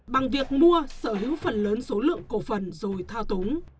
bằng việc mua sở hữu phần lớn số lượng cổ phần rồi thao túng